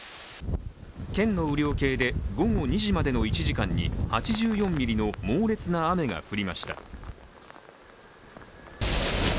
県の雨量計で午後２時までの１時間に８４ミリの猛烈な雨が降りました。